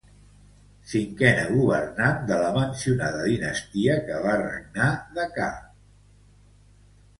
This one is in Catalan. Cinquena governant de la mencionada dinastia, que va regnar de ca.